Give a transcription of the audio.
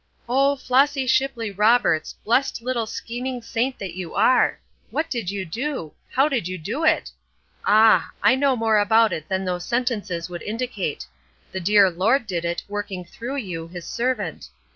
Oh, Flossy Shipley Roberts! blessed little scheming saint that you are! What did you do? How did you do it! Ah! I know more about it than those sentences would indicate. The dear Lord did it, working through you, His servant.